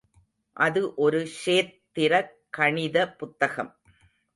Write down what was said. அது ஒரு ஷேத் திர கணித புத்தகம்.